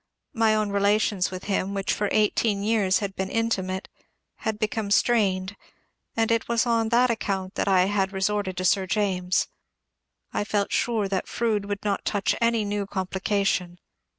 My own relations with him, which for eighteen years had been intimate, had become strained, and it was on that account that I had resorted to Sir James. I felt sure that Froude would not touch any new complication.